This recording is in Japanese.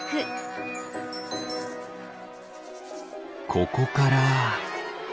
ここから。